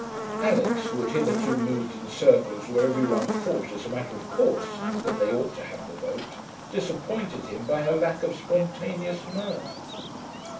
Alix, who had hitherto moved in circles where every one thought, as a matter of course, that they ought to have the vote, disappointed him by her lack of spontaneous mirth.